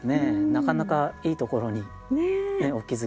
なかなかいいところにお気付きです。